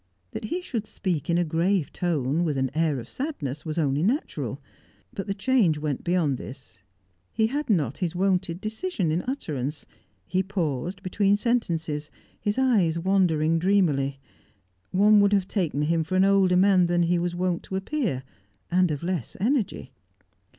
That he should speak in a grave tone, with an air of sadness, was only natural; but the change went beyond this; he had not his wonted decision in utterance; he paused between sentences, his eyes wandering dreamily; one would have taken him for an older man than he was wont to appear, and of less energy.